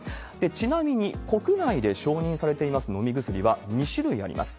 ちなみに、国内で承認されています飲み薬は２種類あります。